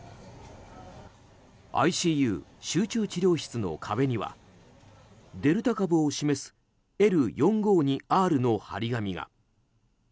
ＩＣＵ・集中治療室の壁にはデルタ株を示すＬ４５２Ｒの貼り紙が。